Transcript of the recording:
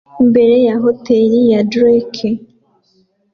imbere ya hoteri ya Drake